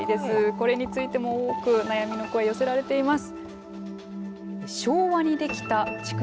これについても多く悩みの声寄せられています。